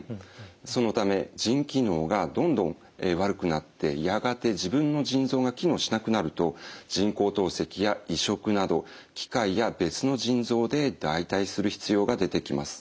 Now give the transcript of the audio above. そのため腎機能がどんどん悪くなってやがて自分の腎臓が機能しなくなると人工透析や移植など機械や別の腎臓で代替する必要が出てきます。